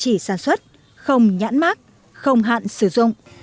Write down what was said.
chỉ sản xuất không nhãn mát không hạn sử dụng